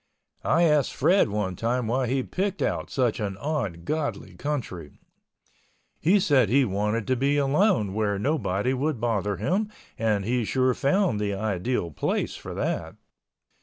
I asked Fred one time why he picked out such an ungodly country. He said he wanted to be alone where nobody would bother him and he sure found the ideal place for that.